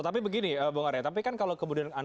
tapi begini bung arya tapi kan kalau kemudian